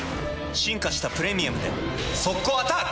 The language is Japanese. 進化した「プレミアム」で速攻アタック！